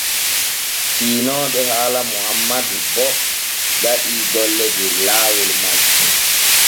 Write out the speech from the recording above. Fiinooɓe haala Mohammadu bo gaɗii golle der laawol majjum.